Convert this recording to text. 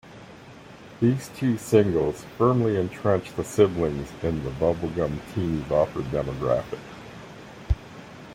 These two singles firmly entrenched the siblings in the bubble-gum, teeny-bopper demographic.